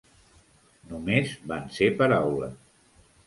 Només van ser paraules.